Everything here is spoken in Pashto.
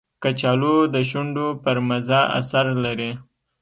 کچالو د شونډو پر مزه اثر لري